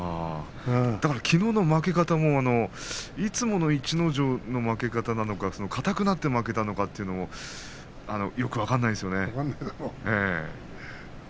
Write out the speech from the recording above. なんかきのうの負け方もいつもの逸ノ城の負け方なのか硬くなって負けたのか分からないですね。